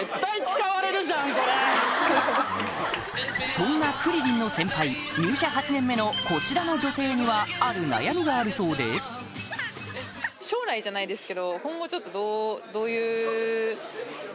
そんなクリリンの先輩入社８年目のこちらの女性にはある悩みがあるそうで考えますよ。